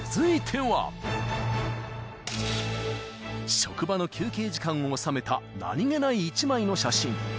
［職場の休憩時間を収めた何げない１枚の写真］